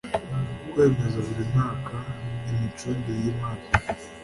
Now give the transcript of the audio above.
Kwemeza buri mwaka imicungire y imari